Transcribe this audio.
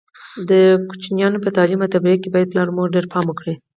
د کوچنیانو په تعلیم او تربیه کې باید پلار او مور ډېر پام وکړي.